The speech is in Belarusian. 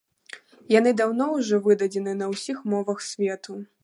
Яны даўно ўжо выдадзены на усіх мовах свету.